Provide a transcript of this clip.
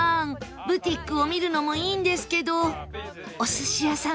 ブティックを見るのもいいんですけどお寿司屋さん